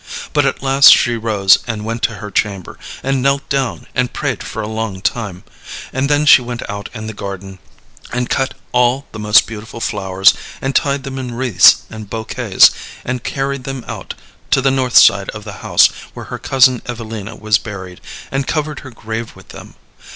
But at last she rose and went to her chamber, and knelt down, and prayed for a long time; and then she went out in the garden and cut all the most beautiful flowers, and tied them in wreaths and bouquets, and carried them out to the north side of the house, where her cousin Evelina was buried, and covered her grave with them.